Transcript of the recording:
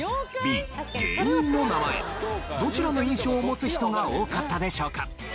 どちらの印象を持つ人が多かったでしょうか？